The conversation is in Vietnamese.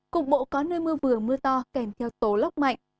cục bộ có nơi mưa vừa mưa to kèm theo tố lốc mạnh